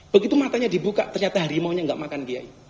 begitu matanya dibuka ternyata harimau nya gak makan kiai